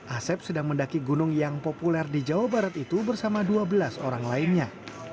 asep sedang mendaki gunung yang populer di jawa barat itu bersama dua belas orang lainnya